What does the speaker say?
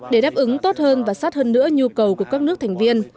để đáp ứng tốt hơn và sát hơn nữa nhu cầu của các nước thành viên